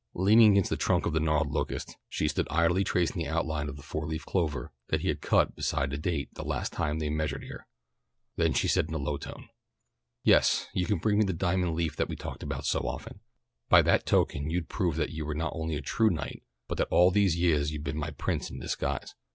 Leaning against the trunk of the gnarled locust, she stood idly tracing the outline of the four leaf clover that he had cut beside the date the last time they measured there. Then she said in a low tone: "Yes, you can bring me the diamond leaf that we've talked about so often. By that token you'd prove that you were not only a true knight, but that all these yeahs you've been my prince in disguise."